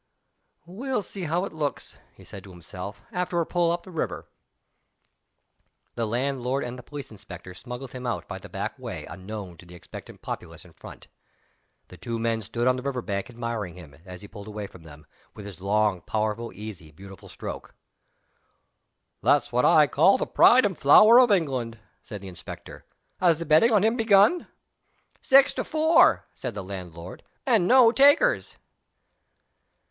"We'll see how it looks," he said to himself, "after a pull up the river!" The landlord and the police inspector smuggled him out by the back way unknown to the expectant populace in front The two men stood on the river bank admiring him, as he pulled away from them, with his long, powerful, easy, beautiful stroke. "That's what I call the pride and flower of England!" said the inspector. "Has the betting on him begun?" "Six to four," said the landlord, "and no takers."